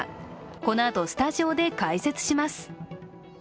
このあとスタジオで解説します。